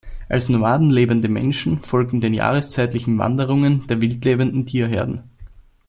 Als Nomaden lebende Menschen folgten den jahreszeitlichen Wanderungen der wildlebenden Tierherden.